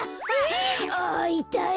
あいたい！